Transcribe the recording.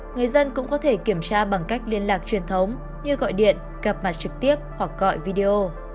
người dân cũng có thể kiểm tra bằng cách liên lạc truyền thống như gọi điện gặp mặt trực tiếp hoặc gọi video